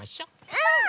うん！